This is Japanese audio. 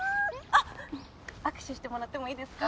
あっ握手してもらってもいいですか？